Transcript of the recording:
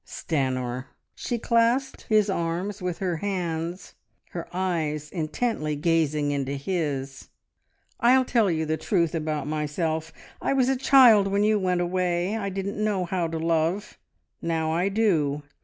Stanor!" She clasped his arms with her hands, her eyes intently gazing into his. "I'll tell you the truth about myself. I was a child when you went away. I didn't know how to love. Now I do!